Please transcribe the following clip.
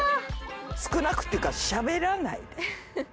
少なくっていうかしゃべらない。